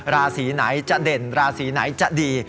ราศีไหนจะเด่นราศีไหนจะดี